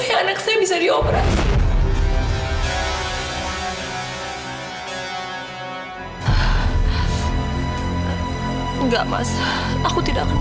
kita harus segera melakukan sesuatu